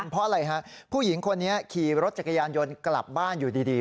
เพราะอะไรฮะผู้หญิงคนนี้ขี่รถจักรยานยนต์กลับบ้านอยู่ดี